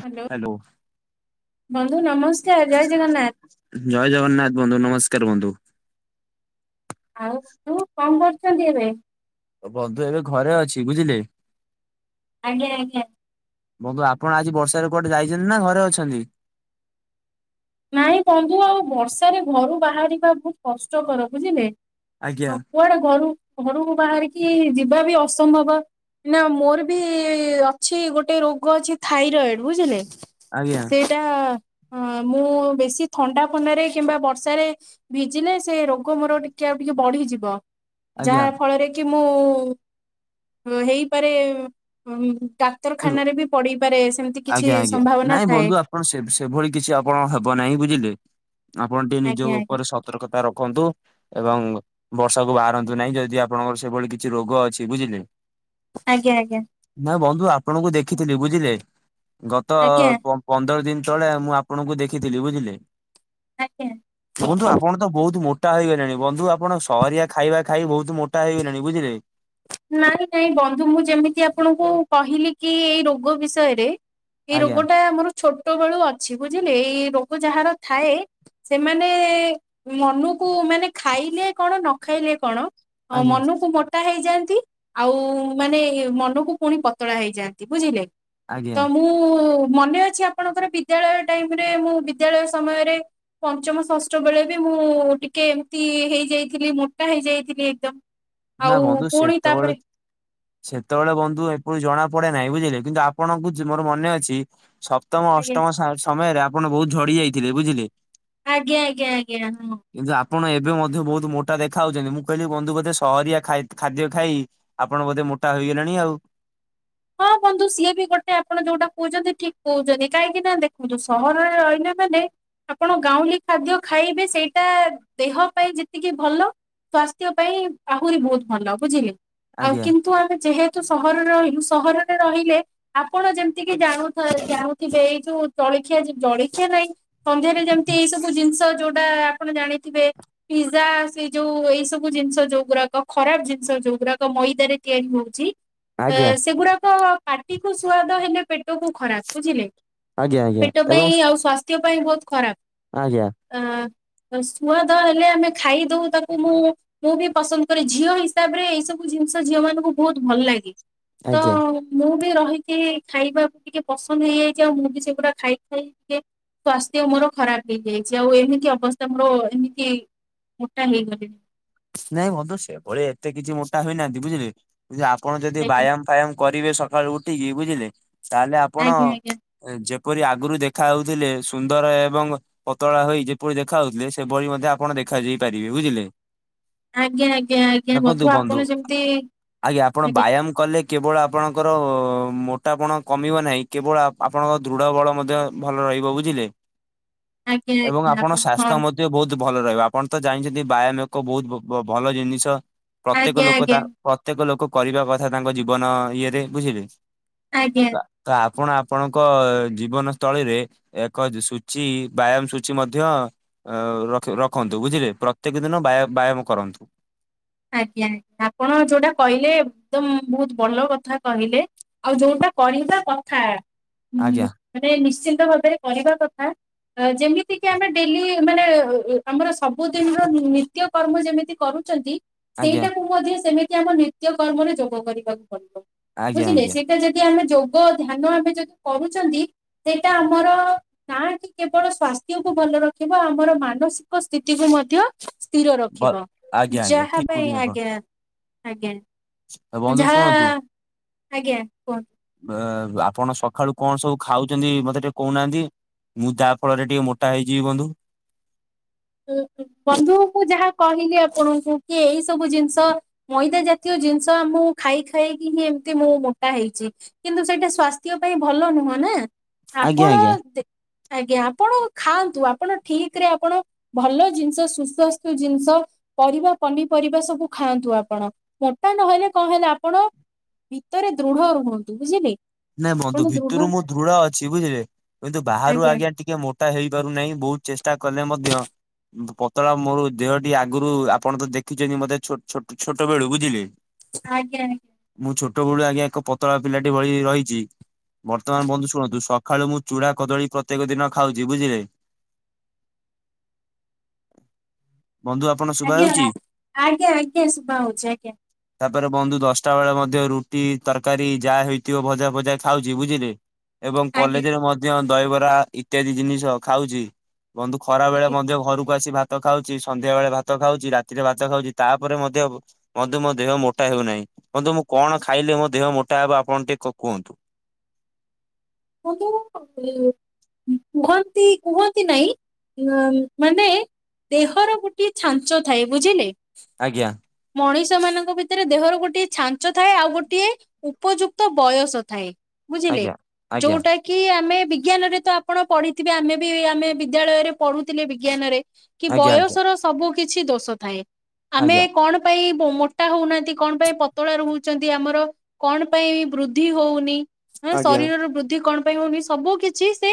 Hello. ବନ୍ଧୁ ନମସ୍କାର ଜୟ ଜଗନ୍ନାଥ। ଜୟ ଜଗନ୍ନାଥ ବନ୍ଧୁ ନମସ୍କାର ବନ୍ଧୁ। ଆଉ ତୁ କଣ କରୁଛନ୍ତି ଏବେ? ଅ ବନ୍ଧୁ ଏବେ ଘରେ ଅଛି ବୁଝିଲେ। ଆଜ୍ଞା ଆଜ୍ଞା। ବନ୍ଧୁ ଆପଣ ଆଜି ବର୍ଷାରେ କୁଆଡେ ଯାଇଛନ୍ତି ନା ଘରେ ଅଛନ୍ତି? ନାଇଁ ବନ୍ଧୁ ଆଉ ବର୍ଷାରେ ଘରୁ ବାହାରିବା ବହୁତ କଷ୍ଟକର ବୁଝିଲେ। ଆଜ୍ଞା। ହଉ କୁଆଡେ ଘରୁ ଘରୁକୁ ବାହାରିକି ଯିବା ବି ଅସମ୍ଭବ। ନା ମୋର ବି ଅଛି ଗୋଟେ ରୋଗ ଅଛି ଥାଇରଏଡ ବୁଝିଲେ। ଆଜ୍ଞା ସେଇଟା ହ ମୁଁ ବେଶୀ ଥଣ୍ଡା ଫଣ୍ଡାରେ କିମ୍ବା ବର୍ଷାରେ ଭିଜିଲେ ସେ ରୋଗ ମୋର ଟିକେ ଆଉ ଟିକେ ବଢିଯିବ। ଆଜ୍ଞା ଯାହା ଫଳରେ କି ମୁଁ ହେଇପାରେ ଉମ୍ ଡାକ୍ତରଖାନାରେ ବି ପଡିପାରେ ସେମତି କିଛି ଆଜ୍ଞା ଆଜ୍ଞା ସମ୍ଭାବନା ନାଇଁ ଥାଏ। ବନ୍ଧୁ ଆପଣ ସେ ସେଭଳି କିଛି ଆପଣ ହେବ ନାହିଁ ବୁଝିଲେ ଆପଣ ଟିକେ ନିଜ ଆଜ୍ଞା ଆଜ୍ଞା ଉପରେ ସତର୍କତା ରଖନ୍ତୁ ଏବଂ ବର୍ଷାକୁୁ ବାହାରନ୍ତୁ ନାହିଁ ଯଦି ଆପଣଙ୍କର ସେଭଳି କିଛି ରୋଗ ଅଛି ବୁଝିଲେ। ଆଜ୍ଞା ଆଜ୍ଞା ନା ବନ୍ଧୁ ଆପଣଙ୍କୁ ଦେଖିଥିଲି ବୁଝିଲେ। ଗତ ଆଜ୍ଞା ପ ପନ୍ଦର ଦିନ ତଳେ ମୁଁ ଆପଣଙ୍କୁ ଦେଖିଥିଲି ବୁଝିଲେ। ଆଜ୍ଞା। ବନ୍ଧୁ ଆପଣ ତ ବହୁତ ମୋଟ୍ ମୋଟା ହେଇଗଲେଣି ବନ୍ଧୁ ଆପଣ ସହରିଆ ଖାଇବା ଖାଇ ବହୁତ ମୋଟା ହେଇଗଲେଣି ବୁଝିଲେ। ନାଇଁ ନାଇଁ ବନ୍ଧୁ ମୁଁ ଯେମିତି ଆପଣଙ୍କୁ କହିଲି କି ଏଇ ରୋଗ ବିଷୟରେ। ଏଇ ଆଜ୍ଞା ରୋଗ ଟା ମୋର ଛୋଟ ବେଳୁ ଅଛି ବୁଝିଲେ ଏଇ ରୋଗ ଯାହାର ଥାଏ ସେମାନେ ମନକୁ ମାନେ ଖାଇଲେ କଣ ନ ଖାଇଲେ କଣ? ଅ ଆଜ୍ଞା ମନକୁ ମୋଟା ହେଇଯାଆନ୍। ତି ଆଉ ମାନେ ମନକୁ ପୁଣି ପତଳା ହେଇଯାଆନ୍ତି ବୁଝିଲେ। ଆଜ୍ଞା ତ ମୁଁ ମନେ ଅଛି ଆପଣଙ୍କର ବିଦ୍ୟାଳୟ ଟାଇମରେ ମୁଁ ବିଦ୍ୟାଳୟ ସମୟରେ ପଞ୍ଚମ ଷଷ୍ଠ ବେଳେ ବି ମୁଁ ଟିକେ ଏମତି ହେଇଯାଇଥିଲି ମୋଟା ହେଇଯାଇଥିଲି ଏକଦମ୍। ନା ବନ୍ଧୁ ସେତବେଳେ ସେତବେଳେ ବନ୍ଧୁ ଏପରି ଜଣା ପଡେ ନାହିଁ ବୁଝିଲେ। କିନ୍ତୁ ଆପଣଙ୍କୁ ମୋର ମନେ ଅଛି ସପ୍ତମ ଆଜ୍ଞା ଅଷ୍ଟମ ସ ସମୟରେ ଆପଣ ବହୁତ ଝଡି ଯାଇଥିଲେ ବୁଝିଲେ। ଆଜ୍ଞା ଆଜ୍ଞା ଆଜ୍ଞା ହଁ। କିନ୍ତୁ ଆପଣ ଏବେ ମଧ୍ୟ ବହୁତ ମୋଟା ଦେଖା ହଉଚନ୍ତି। ମୁଁ କହିଲି ବନ୍ଧୁ ବୋଧେ ସହରିଆ ଖାଇ ଖାଦ୍ୟ ଖାଇ ଆପଣ ବୋଧେ ମୋଟା ହୋଇଗଲେଣି ଆଉ। ହଁ ବନ୍ଧୁ ସିଏ ବି ଗୋଟେ ଆପଣ ଯୋଉଟା କହୁଚନ୍ତି ଠିକ୍ କହୁଚନ୍ତି। କାହିଁକି ନା ଦେଖନ୍ତୁ ସହରରେ ରହିଲେ ଆ ମାନେ ଆପଣ ଗାଉଁଲି ଖାଦ୍ୟ ଖାଇବେ ସେଇଟା ଦେହ ପାଇଁ ଯେତିକି ଭଲ ସ୍ଵାସ୍ଥ୍ୟ ପାଇଁ ଆହୁରି ବହୁତ ଭଲ ବୁଝିଲେ। ଆଉ ଆଜ୍ଞା। କିନ୍ତୁ ଆମେ ଯେହେତୁ ସହରରେ ରହିଲୁ ସହରରେ ରହିଲେ ଆପଣ ଯେମିତିକି ଜାଣୁଥାଏ ଜାଣୁଥିବେ ଏଇ ଯୋଉ ଜଳିଖିଆ ଯିବ୍ ଜଳିଖିଆ ନାଇଁ ସନ୍ଧ୍ୟାରେ ଯେମତି ଏଇ ସବୁ ଜିନିଷ ଯୋଉଟା ଆପଣ ଜାଣିଥିବେ ପିଜା ସେ ଯୋଉ ଏଇ ସବୁ ଜିନିଷ ଯୋଉ ଗୁରାକ ଖରାପ ଜିନିଷ ଯୋଉ ଗୁରାକ ମଇଦାରେ ତିଆରି ହଉଚି। ଆଜ୍ଞା। ତ ପାଟିକୁ ସୁଆଦ ହେଲେ ପେଟକୁ ଖରାପ ବୁଝିଲେ ଆଜ୍ଞା ଆଜ୍ଞା ପେଟ ପାଇଁ ଏବଂ ସୁ- ଆଉ ସ୍ବାସ୍ଥ୍ୟ ପାଇଁ ବହୁତ ଖରାପ୍। ଆଜ୍ଞା। ସୁଆଦ ହେଲେ ଆମେ ଖାଇଦଉ ତାକୁ ମୁଁ ମୁଁ ବି ପସନ୍ଦ କରେ। ଝିଅ ହିସାବରେ ଏଇ ସବୁ କିଛି ଜିନିଷ ଝିଅ ମାନଙ୍କୁ ବହୁତ ଭଲ ଲାଗେ ତ ଆଜ୍ଞା। ମୁଁ ବି ରହିଚି ଖାଇବାକୁ ଟିକେ ପସନ୍ଦ ହେଇଯାଇଚି ଆଉ ମୁଁ ବି ସେଗୁଡା ଖାଇ ଖାଇ ଟିକେ ସ୍ଵାସ୍ଥ୍ୟ ମୋର ଖରାପ ହେଇଯାଇଚି ଆଉ ଏମିତି ଅବସ୍ଥା ମୋର ଏମିତି ମୋଟା ହେଇଗଲି। ନାଇଁ ବନ୍ଧୁ ସେଭଳି ଏତେ କିଛି ମୋଟା ହୋଇନାହାନ୍ତି ବୁଝିଲେ। ବଝିଲେ ଆପଣ ଯଦି ଆଜ୍ଞା ବାୟାମ ଫାୟାମ କରିବେ ସକାଳୁ ଉଠିକି ବୁଝିଲେ ତାହେଲେ ଆପଣ ଆଜ୍ଞା ଯେ ପରି ଆଗୁରୁ ଦେଖା ହଉଥିଲେ ସୁନ୍ଦର ଏବଂ ପତଳା ହୋଇ ଯେପରି ଦେଖା ହଉଥିଲେ ସେଭଳି ମଧ୍ୟ ଆପଣ ଦେଖ ଖା ଯାଇ ପାରିବେ ବୁଝିଲେ। ଆଜ୍ଞା ଆଜ୍ଞା ଆଜ୍ଞା ବନ୍ଧୁ ଆପଣ ସେମତି ଆଜ୍ଞା ଆପଣ ବାୟାମ କଲେ କେବଳ ଆପଣଙ୍କର ମୋଟାପଣ କମିବ ନାହିଁ କେବଳ ଆପଣଙ୍କ ଦୃଢ଼ ବଳ ମଧ୍ୟ ଭଲ ରହିବ ବୁଝିଲେ। ଆଜ୍ଞା ଏବଂ ଆଜ୍ଞା ଆପଣ ହଁ। ସ୍ୱାସ୍ଥ୍ୟ ମଧ୍ୟ ବହୁତ ଭଲ ରହିବ ଆପଣ ତ ଜାଣିଚନ୍ତି ବାୟାନୋକ୍। ଲୋକ ବହୁତ ବ-ବ ଭଲ ଜିନିଷ ପ୍ରତ୍ୟେକ ଆଜ୍ଞା ଲୋକ ଆଜ୍ଞା ତା ପ୍ରତ୍ୟେକ ଲୋକ କରିବା କଥା ତାଙ୍କ ଜୀବନ ଇଏରେ ବୁଝିଲେ। ଆଜ୍ଞା ତ ଆପ୍ ପଣ ଆପଣଙ୍କ ଜୀବନ ସ୍ଥଳୀରେ ଏକ ଯ- ସୂଚୀ ବ୍ୟାୟାମ ସୂଚୀ ମଧ୍ୟ ଅ, ରଖ ରଖନ୍ତୁ ବୁଝିଲେ ପ୍ରତ୍ୟେକ ଦିନ ବ୍ୟାୟ ବ୍ୟାୟାମ କରନ୍ତୁ। ଆଜ୍ଞା ଆପଣ ଯୋଉଟା କହିଲେ ଏକଦମ ବହୁତ ଭଲ କଥା କହିଲେ। ଆଉ ଯୋଉଟା କରିବା କଥା ଆଜ୍ଞା ହୁଁ, ମାନେ ନିଶ୍ଚିନ୍ତ ଭାବରେ କରିବା କଥା। ଅ, ଯେମିତି କିି ଆମେ ଡେଲି ମାନେ ଅ, ଅ, ଆମର ସବୁଦିନିର ନି ନିତ୍ୟକର୍ମ ଯେମିତି କରୁଚନ୍ତି। ଆଜ୍ଞା ସେଇଟାକୁ ମଧ୍ୟ ସେମିତି ଆମ ନିତ୍ୟ କର୍ମରେ ଯୋଗ କରିବା। ପଡିବ। ଆଜ୍ଞା ବୁଝିଲେ, ଆଜ୍ଞା ସେଇଟା ଯଦି ଆମେ ଯୋଗ ଧ୍ୟାନ ଆମେ ଯଦି କହୁଛନ୍ତି। ସେଟା ଆମର ନା କି କେବଳ ସାସ୍ଥ୍ୟ ଉପ କୁ ଭଲ ରଖିବ। ଆମର ମାନସିକ ସ୍ଥିତିକୁ ମଧ୍ୟ ସ୍ଥିର ବ ରଖିବ। ଆଜ୍ଞା ଆଜ୍ଞା ଯାହା ଠିକ ସେ କହୁଛନ୍ତି ଆପଣ। ଆଜ୍ଞା, ଆଜ୍ଞା। ଆଉ ବନ୍ଧୁ ଯାହା, ଶୁଣନ୍ତୁ ଆଜ୍ଞା କୁହନ୍ତୁ। ଅ, ଆପଣ ସଖାଳୁ କଣ ସବୁ ଖାଉଚନ୍ତି ମୋତେ ଟିକେ କହୁନାହାନ୍ତି? ମୁଁ ଯାହା ଫଳରେ ଟିକେ ମୋଟା ହେଇଯିବି ବନ୍ଧୁ। [inaudible] ଅ, ଉ, ବନ୍ଧୁ ମୁଁ ଯାହା କହିଲି ଆପଣଙ୍କୁ, କି ଏଇ ସବୁ ଜିନିଷ ମଇଦା ଜାତୀୟ ଜିନିଷ ମୁଁ ଖାଇ ଖାଇକି ହିଁ ଏମତି ମୁଁ ମୋଟା ହେଇଛି। କିନ୍ତୁ ସେଇଟା ସ୍ଵାସ୍ଥ୍ୟ ପାଇଁ ଭଲ ନୁହଁ ନା। ଆଜ୍ଞା ଆପଣ ଆଜ୍ଞା। ଦେ- ଆଜ୍ଞା ଆପଣ ଖାଆନ୍ତୁ, ଆପଣ ଠିକ ରେ ଆପଣ ଭଲ ଜିନିଷ ସୁସ୍ୱାସ୍ଥୁ ଜିନିଷ ପରିବା ପନିପରିବା ସବୁ ଖାଆନ୍ତୁ ଆପଣ। ମ ମୋଟା ନହେଲେ କଣ ହେଲା ଆପଣ ଭିତରେ ଦୃଢ ରୁହନ୍ତୁ ବୁଝିଲେ। ନାଇଁ ଆପଣ ବନ୍ଧୁ ଦୃଢ ଭିତରୁ ମୁଁ ଦୃଢ ଅଛି ବୁଝିଲେ। କିନ୍ତୁ ବାହାରୁ ଆଜ୍ଞା ଟିକେ ମୋ ଟା ହେଇପାରୁନାହିଁ। ବହୁତ ଚେଷ୍ଟା କଲେ ମଧ୍ୟ ଉଁ, ପତଳା ମୋର ଦେହ ଟି ଆଗରୁ ଆପଣ ତ ଦେଖିଛନ୍ତି, ମୋତେ ଛୋ ଛୋ ଛୋଟ ବେଳୁ ବୁଝିଲେ। ଆଜ୍ଞା। ମୁଁ ଛୋଟ ବେଳୁ ଆଜ୍ଞା ଏକ ପତଳା ପିଲାଟି ଭଳି ରହି ଚି ବର୍ତ୍ତମାନ ବନ୍ଧୁ ଶୁଣନ୍ତୁ। ସଖାଳୁ ମୁଁ ଚୂଡା କଦଳୀ ପ୍ରତ୍ୟେକ ଦିନ ଖାଉଚି ବୁଝିଲେ। [inaudible] ବନ୍ଧୁ ଆପଣ ଶୁଭା ଆଜ୍ଞା ହଉଚି? ଆଜ୍ଞା ଆଜ୍ଞା ଆଜ୍ଞା ଶୁଭା ହଉଛି ଆଜ୍ଞା ତାପରେ ବନ୍ଧୁ ଦଶଟା ବେଳ ମ ଧ୍ୟ ରୁଟି ତରକାରୀ ଯାହା ହେଇଥିବ ଭଜା ଫଜା ଖାଉଚି ବୁଝିଲେ। ଏବଂ ଆଜ୍ଞା କଲେଜ୍ ରେ ମଧ୍ୟ ଦହିବରା ଇତ୍ୟାଦି ଜିନିଷ ଖାଉଚି। ବନ୍ଧୁ ଖରା ବେଳେ ଆଜ୍ଞା। ମଧ୍ୟ ଘରକୁ ଆସି ଭା ତ ଖାଉଚି। ସନ୍ଧ୍ୟାବେେଳେ ଭାତ ଖାଉଚି। ରାତିରେ ଭାତ ଖାଉଚି। ତାପରେ ମଧ୍ୟ ବନ୍ଧୁ ମୋ ଦେହ ମୋଟା ହେଉନାହିଁ। ବନ୍ଧୁ ମୁଁ କଣ ଖାଇଲେ ମୋ ଦେହ ମୋଟା ହେବ ଆପଣ ଟିକେ କ- କୁହନ୍ତୁ? ବନ୍ଧୁ ଏ ଉଁ, କୁହନ୍ତି କୁହନ୍ତି ନାଇଁ ଉଁଆନ ମାନେ ଦେହର ଗୋଟିଏ ଛାଞ୍ଚ ଥାଏ ବୁଝିଲେ। ଆଜ୍ଞା। ମଣିଷ ମାନଙ୍କ ଭିତରେ ଦେହର ଗୋଟିଏ ଛାଞ୍ଚ ଥାଏ। ଆଉ ଗୋଟିଏ ଉପଯୁକ୍ତ ବୟସ ଥାଏ। ବୁଝିଲେ, ଆଜ୍ଞା ଆଜ୍ଞା ଯୋଉଟା କି ଆମେ ବିଜ୍ଞାନରେ ତ ଆପଣ ପଢିଥିବେ। ଆମେ ବି ଆମେ ବିଦ୍ୟାଳୟରେ ପଢୁଥିଲେ ବିଜ୍ଞାନରେ। କି ଆଜ୍ଞା ବୟସ ର ସବୁ କିଛି ଦୋଷ ଥାଏ। ଆମେ ଆଜ୍ଞା। କଣ ପାଇଁ ବୋ- ମୋଟା ହଉନାହାନ୍ତି। କଣ ପାଇଁ ପତଳା ରହୁଛନ୍ତି। ଆମର କଣ ପାଇଁ ବୃଦ୍ଧି ହଉନି। ମୋ ଆଜ୍ଞା। ଶରୀରର ବୃଦ୍ଧି କଣ ପାଇଁ ହଉନି, ସବୁ କିଛି ସେ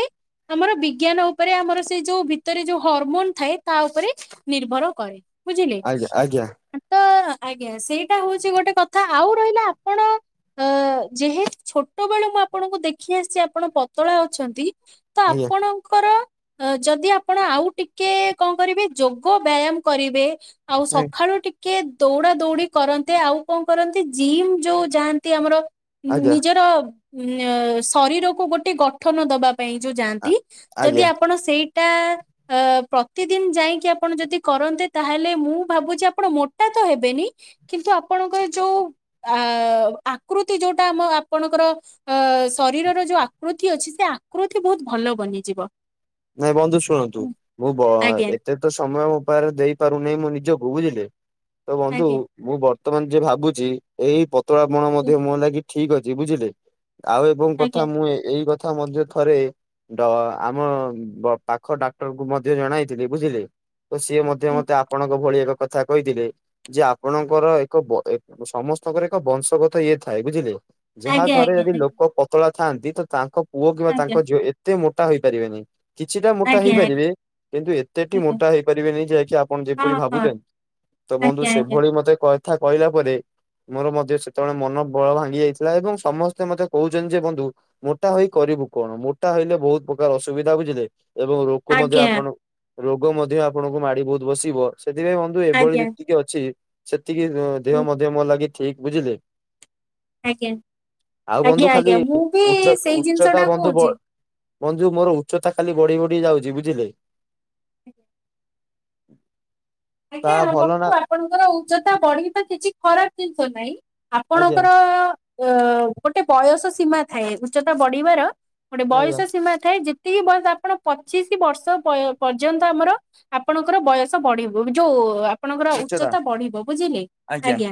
ଆମର ବିଜ୍ଞାନ ଉପରେ। ଆମର ସେ ଯୋଉ ଭିତରେ ଯୋଉ ହରମୋନ୍ ଥାଏ। ତା ତା ଉପରେ ନିର୍ଭର କରେ। ବୁଝିଲେ। ଆଜ୍ଞ, ଆଜ୍ଞା। ତ ଆଜ୍ଞା ସେଇଟା ହଉଛି ଗୋଟେ କଥା। ଆଉ ରହିଲା ଆପଣ ଅ, ଯେହେତୁ ଛୋଟ ବେକୁ ମୁଁ ଆପ ଆପଣଙ୍କୁ ଦେଖି ଆସିଛି ଆପଣ ପତଳା ଅଛନ୍ତି। ତ ଆଜ୍ଞା ଆପଣଙ୍କର ଅ, ଯଦି ଆପଣ ଆଉ ଟିକେ କଣ କରିବେ ଯୋଗ ବ୍ୟାୟାମ କରିବେ। ଆଉ ସ କିଏ ଦୌଡା ଦୌଡି କରନ୍ତେ। ଆଉ କଣ କରନ୍ତି ଜିମ୍ ଯୋଉ ଯାଆନ୍ତି ଆମର ଆଜ୍ଞା ଆଜ୍ଞା ନିଜର ଉ ଶରୀରକୁୁ ଗୋଟେ ଗଠନ ଦବା। ପାଇଁ ଯୋଉ ଯାଆନ୍ତି। ଯଦି ଆଜ୍ଞା। ଆପଣ ସେଇ ଟା ପ୍ରତିଦିନ ଯାଇକି ଆପଣ ଯଦି କରନ୍ତେ ତାହେଲେ ମୁଁ ଭାବୁଛି ଆପଣ ମୋଟା ତ ହେବେନି କିନ୍ତୁ ଆପଣଙ୍କର ଯୋଉ ଆ ଆକୃତି ଉଟା ଆମ ଆପଣଙ୍କର ଅ ଶରୀରର ଯୋଉ ଆକୃତି ଅଛି ସେ ଆକୃତି ବହୁତ ଭଲ ବନିଯିବ। ନାଇଁ ବନ୍ଧୁ ଶୁଣନ୍ତୁ ହୁଁ, ମୁଁ ଆଜ୍ଞା ଏତେ ତ ସମୟ ଉପାୟରେ ଦେଇପାରୁନହି ମୋ ନିଜକୁ। ବୁଝିଲେ ତ ବନ୍ଧୁ ଆଜ୍ଞା ମୁଁ ବର୍ତ୍ତମାନ ଯୋଉ ଭାବୁଛି ଏଇ ତ ଆପଣ ହୁଁ, ମଧ୍ୟ ମୋ ଲାଗି ଠିକ୍ ଅଛି ବୁଝିଲେ ଆଉ ଏବଂ କଥା ଆଜ୍ଞା ମୁଁ ଏଇ କ କଥା ମଧ୍ୟ ଥରେ ଡ ଆମ ବ ପାଖ ଡାକ୍ତର କୁ ମଧ୍ୟ ଜଣାଇଥିଲି ବୁଝିଲେ। ତ ସିଏ ମଧ୍ୟ ମତେ ଆପଣଙ୍କ ଭଳିଆ ଏକ କଥା କହିଥିଲେ ଯେ ଆପଣଙ୍କର ଏକ ସମସ୍ତଙ୍କର ଏକ ବଂଶଗତ ଇଏ ଥାଏ ବୁଝିଲେ। ଯାହା ଆଜ୍ଞା ଘରେ ଯଦି ଲୋକ ପତଳା ଥାଆନ୍ତି ତ ତାଙ୍କ ପୁଅ କିମ୍ବା ତାଙ୍କ ଆଜ୍ଞା ଝିଅ ଏତେ ମୋ ଟା ହୋଇପାରିବେନି। କିଛିଟା ମୋଟା ଆଜ୍ଞା ଆଜ୍ଞା ଆଜ୍ଞା ଆଜ୍ଞା ହେଇପାରିବେ କିନ୍ତୁ ଏତେଟି ଆଜ୍ଞା ମୋଟା ହେଇପାରିବେନି ଯାହାକି ଆପଣ ଯେପରି ହଁ ହଁ ଭାବୁଛନ୍ତି। ତ ବନ୍ଧୁ ଆଜ୍ଞା ଆଜ୍ଞା ସେଭଳି ମତେ କଥା କହିଲା ପରେ ମୋର ମଧ୍ୟ ସେତେବେଳେ ମନ ବଳ ଭାଙ୍ଗି ଯାଇଥିଲା ଏବଂ ସମସ୍ତେ ମେ କହୁଛନ୍ତି ଯେ ବନ୍ଧୁ ମୋଟା ହୋଇ କର କରିବୁ କଣ? ମୋଟା ହେଲେ ବହୁତ ପ୍ରକାର ଅସୁବିଧା ବୁଝିଲେ। ଏବଂ ରୋଗ ମଧ୍ୟ ଆଜ୍ଞା ଆପଣ ରୋଗ ମଧ୍ୟ ଆପଣଙ୍କୁ ମାଡି ବହୁତ ବସିବ। ସେଥିପାଇଁ ବନ୍ଧୁ ଏଭଳି ଆଜ୍ଞା ଯେତିକି ଅଛି ସେତିକି ଦେହ ହୁଁ, ମଧ୍ୟ ମୋର ଲାଗି ଠିକ୍ ବୁଝିଲେ। ଆଜ୍ଞା ଆଉ ବନ୍ଧୁ ଆଜ୍ଞା ଖାଲି ଆଜ୍ଞା ମୁଁ ବି ଉଚ୍ଚ ସେଇ ଜିନିଷ ଉଚ୍ଚତା ଟା ବନ୍ଧୁ ବ କହୁଛି। ବନ୍ଧୁ ମୋର ଉଚତା। ଖାଲି ବଢି ବଢି ଯାଉଛି ବୁଝିଲେ। ତା ଆଜ୍ଞାମବୁ ଭଲ ନା ଆପଣଙ୍କର ଉଚ୍ଚତା ବଢିବ ତ କିଛି ଖରାପ ଜିନିଷ ନାହିଁ। ଆଜ୍ଞା ଆପଣଙ୍କର ଅ ଗୋଟେ ବୟସ ସୀମା ଥାଏ ଉଚ୍ଚତା ବଢିବାର। ଗୋଟେ ଆଜ୍ଞା ବୟସ ସୀମା ଥାଏ ଯେ ଏତିକି ବୟସ ଆପଣ ପଚିଶି ବର୍ଷ ପର୍ଯ୍ୟନ୍ତ ଆମର ଆପଣଙ୍କର ବୟସ ବଢିବ। ଯୋଉ ଆପଣଙ୍କର ଉଚ୍ଚତା ବଢିବ ବୁଝିଲେ ଆଜ୍ଞା।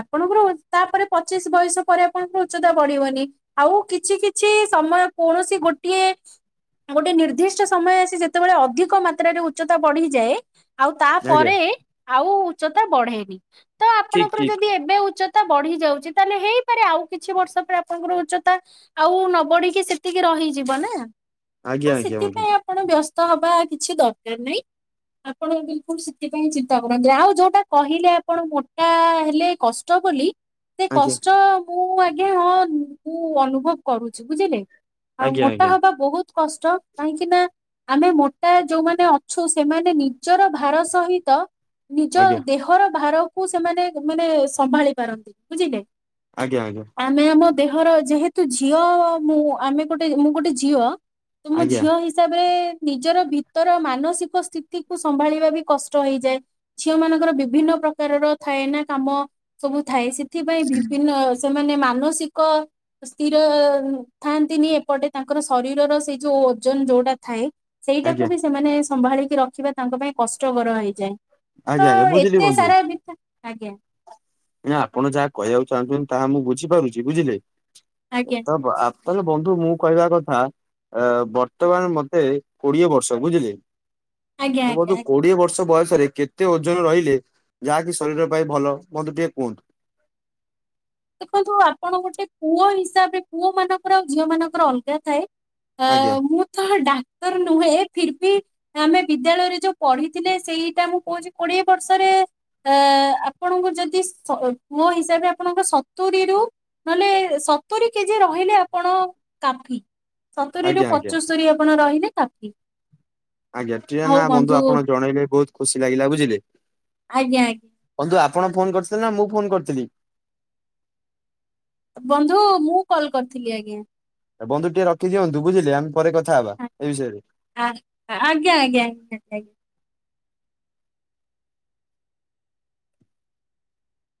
ଆପଣଙ୍କର ତାପରେ ପଚିଶ ବୟସ ପରେ ଆପଣଙ୍କର ଉଚ୍ଚତା ବଢିବନି। ଆଉ କିଛି କିଛି ଆମର କୌଣସି ଗୋଟିଏ ଗୋଟେ ନିର୍ଦ୍ଦିଷ୍ଟ ସମୟ ଆସି ଯେତେବେଳେ ଅଧିକ ମାତ୍ରାରେ ଉଚ୍ଚତା ବଢିଯାଏ। ଆଉ ଆଜ୍ଞା ତାପରେ ଆଉ ଉଚ୍ଚତା ବଢେଇନି। ତ ଠିକ ଆପଣଙ୍କର ଠିକ ଯଦି ଏବେ ଉଚ୍ଚ ତା ବଢି ଯାଉଛି ତାହେଲେ ହେଇପାରେ ଆଉ କିଛି ବର୍ଷ ପରେ ଆପଣଙ୍କର ଉଚ୍ଚତା ଆଉ ନ ବଢିକି ସେତିକି ରହି ହେଇଯିବ ନା। ଆଜ୍ଞା ତ ଆଜ୍ଞା ବନ୍ଧୁ ସେଥିପାଇଁ ଆପଣ ବ୍ୟସ୍ତ ହବା କିଛି ଦରକାର ନାହିଁ। ଆପଣ ବିଲକୁଲ ସେଥିପାଇଁ ଚିନ୍ତା କରନ୍ତି ଆଉ ଯୋଉଟା କହିଲେ ଆପଣ ମୋଟା ହେଲେ କଷ୍ଟ ବୋଲି। ସେ ଆଜ୍ଞା କଷ୍ଟ ମୁଁ ଆଜ୍ଞା ହଁ ମୁ ଅନୁଭବ କରୁଛି ବୁଝିଲେ। ଆଉ ଆଜ୍ଞା ମୋଟା ଆଜ୍ଞା ହବା ବହୁତ କଷ୍ଟ କାହିଁକି ନା ଆମେ ମୋଟା ଯୋଉମାନେ ଅଛୁ ସେମାନେ ନି ନିଜର ଭାର ସହିତ ନିଜ ଆଜ୍ଞା ଦେହର ଭାର କୁ ସେମାନେ ମାନେ ସମ୍ଭାଳି ପାରନ୍ତି ବୁଝିଲେ। ଆଜ୍ଞା ଆଜ୍ଞା। ଆମେ ଆମ ଦେହର ଯେହେତୁ ଝିଅ ମୁଁ ଆମେ ଗୋଟେ ମୁଁ ଗୋଟେ ଝିଅ। ତୁମ ଆଜ୍ଞା ଆଜ୍ଞା ଝିଅ ହିସାବରେ ନିଜର ଭିତର ମାନସିକ ସ୍ଥିତି କୁ ସମ୍ଭାଳିବା ବି କଷ୍ଟ ହେଇଯାଏ ଝିଅ ମାନଙ୍କର ବିଭିନ୍ନ ପ୍ରକାରର ଥାଏ ନା କାମ ସବୁ ଥାଏ। ସି ଏଥିପାଇଁ ବିଭିନ୍ନ ସେମାନେ ମାନସିକ ସ୍ଥିର ଥାନ୍ତିନି ଏପଟେ ତାଙ୍କର ଶରୀରର ସେଇ ଯୋଉ ଓଜନ ଯୋଉଟା ଥାଏ ସେଇଟାକୁ ବି ସେମାନେ ସମ୍ଭାଳିକି ରଖିବା ତାଙ୍କ ପାଇଁ କଷ୍ଟକର ହେଇଯାଏ। ତ ଆଜ୍ଞା ଆଜ୍ଞା ବୁଝିଲି ଏତେ ବନ୍ଧୁ। ସାରା ବିତା ଆଜ୍ଞା। ଆପଣ ଯାହା କହିବାକୁ ଚାହୁଁଛନ୍ତି ତାହା ମୁଁ ବୁଝିପାରୁଚି ବୁଝିଲେ। ତା ତାହେଲେ ବନ୍ଧୁ ମୁଁ କହିବା କଥା ଅ ବର୍ତ୍ତମାନ ମତେ କୋଡିଏ ବର୍ଷ ବୁଝିଲେ। ଏ ଆଜ୍ଞା ଆଜ୍ଞା ଆଜ୍ଞା। [unintelligible] କୋଡିଏ ବର୍ଷ ବୟସ କେତେ ଓଜନ ରହିଲେ ଯାହାକି ଶରୀର ପାଇଁ ଭଲ ମତେ ଟିକେ [unintelligible] ଦେଖନ୍ତୁ ଆପଣ ଗୋଟେ ପୁଅ ହିସାବରେ ପୁଅ ମାନଙ୍କର ଆଉ ଝିଅ ମାନଙ୍କର ଅଲଗା ଥାଏ। ଅ ଆଜ୍ଞା ମୁଁ ତ ଡା ନୁହେଁ ଫିର୍ ବି ଆମେ ବିଦ୍ୟାଳୟରେ ଯୋଉ ପଢିଥିଲେ ସେଇଟା ମୁଁ କୋହୁଚି କୋଡିଏ ବର୍ଷରେ ଅ ଆପଣଙ୍କୁ ଯଦି ସ ମୋ ହିସାବରେ ଆପଣଙ୍କ ସତୁରୀ ରୁ ନହେଲେ ସତୁରି କେଜି ରହିଲେ ଆପଣ କାଫି। ସତରିରୁ ଆଜ୍ଞା ଆଜ୍ଞା ପଞ୍ଚସ୍ତରୀ ଆପଣ ରହିଲେ କାଫି। ଆଜ୍ଞା ଟ ନା ବନ୍ଧୁ ଆପଣ ଜଣେଇଲେ ବୋହୁତ ଖୁସି ଲାଗିଲା ବୁଝିଲେ। ଆଜ୍ଞା ଆଜ୍ଞା। ବନ୍ଧୁ ଆପଣ ଫୋନ କରିଥିଲେ ନା ମୁଁ ଫୋନ କରିଥିଲି? ବନ୍ଧୁ ମୁଁ କଲ୍ କରିଥିଲି ଆଜ୍ଞା। ବନ୍ଧୁ ଟିକେ ରଖିଦିଅନ୍ତୁ ଯେ ଆଜ୍ଞା ଆଜ୍ଞା।